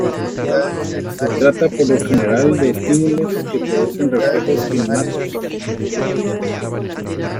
Se trata por lo general de estímulos que producen reflejos innatos.